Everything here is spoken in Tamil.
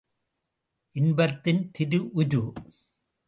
இன்பத்தின் திரு உரு!